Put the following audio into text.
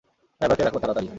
ড্রাইভারকে ডাকো, তাড়াতাড়ি।